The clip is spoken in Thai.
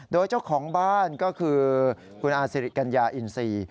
โดยเจ้าของบ้านก็คือคุณอาสิริกัญญาอินซี